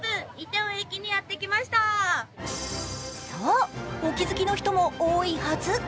そう、お気づきの人も多いはず。